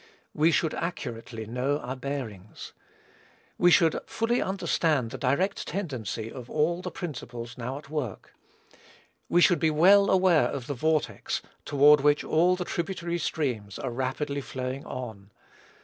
We should accurately know our bearings. We should fully understand the direct tendency of all the principles now at work. We should be well aware of the vortex, toward which all the tributary streams are rapidly flowing on.